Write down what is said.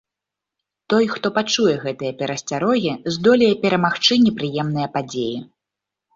Той, хто пачуе гэтыя перасцярогі, здолее перамагчы непрыемныя падзеі.